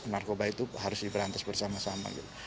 narkoba itu harus diberantas bersama sama gitu